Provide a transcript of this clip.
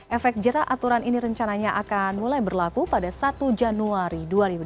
efek jerak aturan ini rencananya akan mulai berlaku pada satu januari dua ribu dua puluh